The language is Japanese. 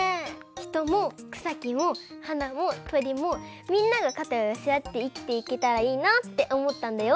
ひともくさきもはなもとりもみんながかたをよせあっていきていけたらいいなっておもったんだよ。